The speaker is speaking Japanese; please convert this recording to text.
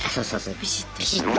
ビシッと。